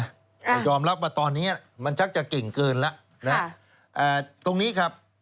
แต่ยอมรับว่าตอนนี้มันชักจะเก่งเกินแล้วนะตรงนี้ครับ